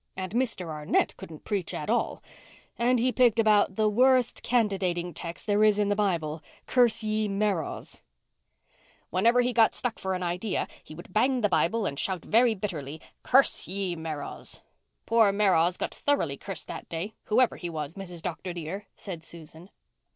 And Mr. Arnett couldn't preach at all. And he picked about the worst candidating text there is in the Bible—'Curse ye Meroz.'" "Whenever he got stuck for an idea, he would bang the Bible and shout very bitterly, 'Curse ye Meroz.' Poor Meroz got thoroughly cursed that day, whoever he was, Mrs. Dr. dear," said Susan.